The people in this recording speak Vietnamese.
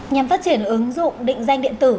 nhằm phát triển ứng dụng định danh điện tử